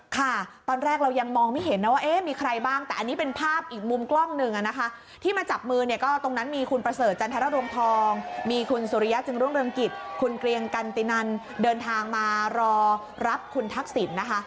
ค่ะตอนแรกเรายังมองไม่เห็นนะว่าเอ๊ะมีใครบ้างแต่อันนี้เป็นภาพอีกมุมกล้องหนึ่งนะคะที่มาจับมือเนี่ยก็ตรงนั้นมีคุณประเสริฐจันทรรวงทองมีคุณสุริยะจึงรุ่งเรืองกิจคุณเกรียงกันตินันเดินทางมารอรับคุณทักษิณนะคะ